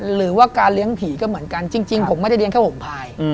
หรือว่าการเลี้ยงผีก็เหมือนกันจริงผมไม่ได้เลี้ยงแค่ห่มพาย